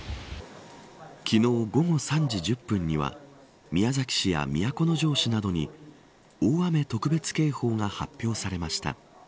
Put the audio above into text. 昨日、午後３時１０分には宮崎市や都城市などに大雨特別警報が発表されました。